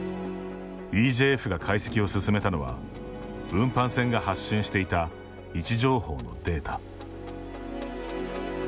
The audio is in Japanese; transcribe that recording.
ＥＪＦが解析を進めたのは運搬船が発信していた位置情報のデータ。